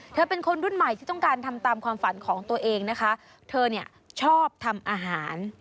เธอเป็นคนรุ่นใหม่ที่ต้องการทำตามความฝันของตัวเองนะคะเธอเนี่ยชอบทำอาหาร